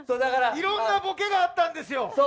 いろんなボケがあったんですよ。